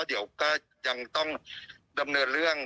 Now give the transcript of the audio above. เดี๋ยวก็ยังต้องดำเนินเรื่อง